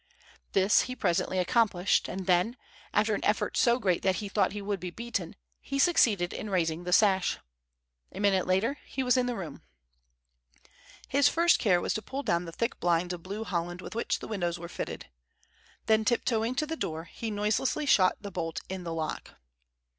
This he presently accomplished, and then, after an effort so great that he thought he would be beaten, he succeeded in raising the sash. A minute later he was in the room. His first care was to pull down the thick blinds of blue holland with which the windows were fitted. Then tip toeing to the door, he noiselessly shot the bolt in the lock.